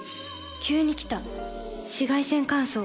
急に来た紫外線乾燥。